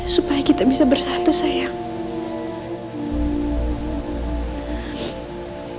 supaya kita bisa bersatu sayang